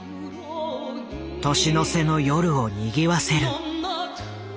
年の瀬の夜をにぎわせる。